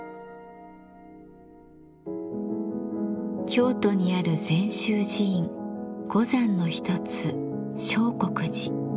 京都にある禅宗寺院五山の一つ相国寺。